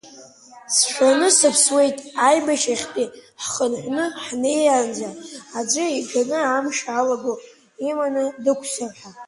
Сшәаны сыԥсуеит, аибашьрахьтәи ҳхынҳәны ҳнеиаанӡа, аӡәы иганы амш алаго иманы дықәзар ҳәа.